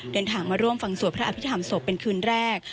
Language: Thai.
เดินทางมาร่วมฟังสวดพระอภิษฐรรมศพเป็นคืนแรก